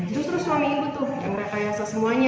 terus terus suami ibu tuh yang mereka yasa semuanya